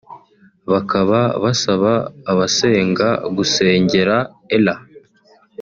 Bakaba basaba abasenga gusengera Ella